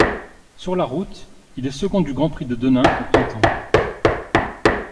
Sur la route, il est second du Grand Prix de Denain au printemps.